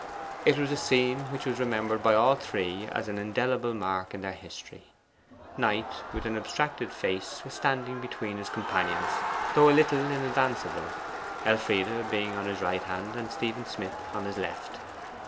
It was a scene which was remembered by all three as an indelible mark in their history. Knight, with an abstracted face, was standing between his companions, though a little in advance of them, Elfride being on his right hand, and Stephen Smith on his left.